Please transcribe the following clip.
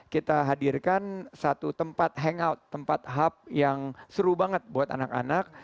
kita hadirkan satu tempat hangout tempat hub yang seru banget buat anak anak